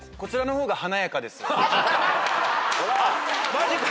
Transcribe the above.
マジか。